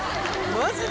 マジで？